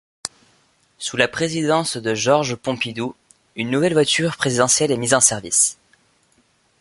Sous la présidence de Georges Pompidou, une nouvelle voiture présidentielle est mise en service.